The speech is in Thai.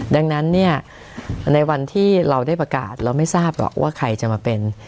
ดังนั้นเนี่ยในวันที่เราได้ประกาศเราไม่ทราบหรอกว่าใครจะมาเป็น